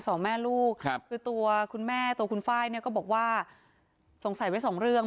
ส่องแม่ลูกก็บอกว่าสงสัยไว้๒เรื่อง